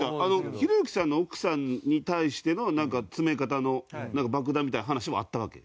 ひろゆきさんの奥さんに対しての詰め方の爆弾みたいな話もあったわけ？